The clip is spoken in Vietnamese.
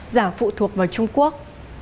giảm phụ thuộc vào trung quốc